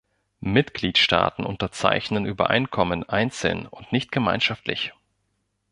Mitgliedstaaten unterzeichnen Übereinkommen einzeln und nicht gemeinschaftlich.